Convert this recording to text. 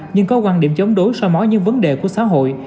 nhưng có quan điểm chống đối so mó những vấn đề của xã hội